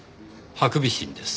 ハクビシンです。